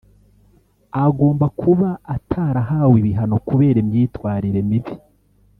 agomba kuba atarahawe ibihano kubera imyitwarire mibi